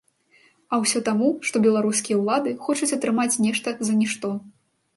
А ўсё таму, што беларускія ўлады хочуць атрымаць нешта за нішто.